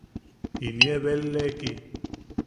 Inie beleeki.